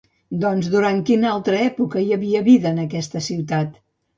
Doncs, durant quina altra època hi havia vida en aquesta ciutat?